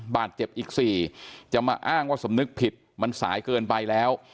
บาดเจ็บอีก๔จะมาอ้างว่าสำนึกผิดมันสายเกินไปแล้ว